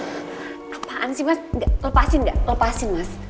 apaan sih mas lepasin nggak lepasin mas